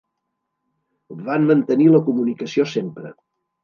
Van mantenir la comunicació sempre.